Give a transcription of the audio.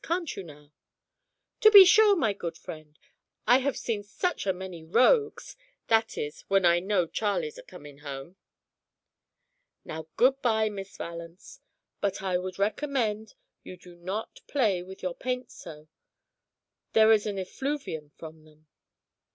Can't you now?" "To be sure, my good friend, I have seen such a many rogues. That is, when I know Charley's a coming home." "Now good bye, Miss Valence. But I would recommend you not to play with your paints so. There is an effluvium from them."